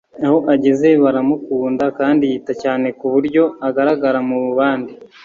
aho ageze baramukunda kandi yita cyane ku buryo agaragara mu bandi